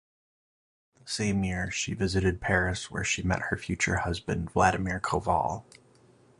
The same year she visited Paris where she met her future husband Volodymyr Koval.